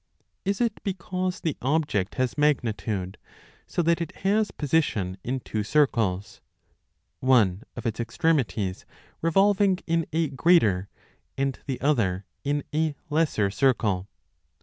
Is it because the object has magnitude, so that it has position in two circles, one of its extremities revolving in a greater and the other in a lesser circle